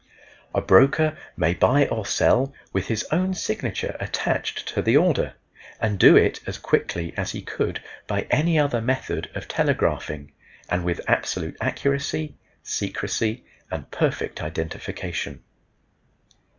A broker may buy or sell with his own signature attached to the order, and do it as quickly as he could by any other method of telegraphing, and with absolute accuracy, secrecy and perfect identification.